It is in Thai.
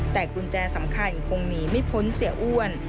แต่กุญแจสำคัญคงหนีไม่พ้นเสียอ้วน